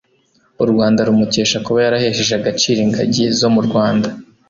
U Rwanda rumukesha kuba yarahesheje agaciro ingagi zo mu Rwanda,